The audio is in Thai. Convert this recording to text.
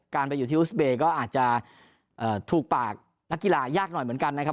ไปอยู่ที่อุสเบย์ก็อาจจะถูกปากนักกีฬายากหน่อยเหมือนกันนะครับ